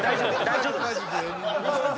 大丈夫？